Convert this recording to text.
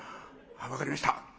「分かりました。